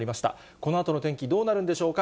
このあとの天気、どうなるんでしょうか。